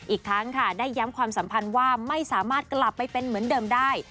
อีกทั้งค่ะได้ย้ำความสัมพันธ์ว่าไม่สามารถกลับไปเป็นเหมือนเดิมได้